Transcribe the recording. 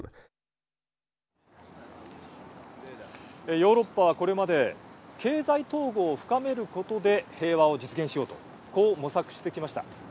ヨーロッパはこれまで経済統合を深めることで平和を実現しようとこう模索してきました。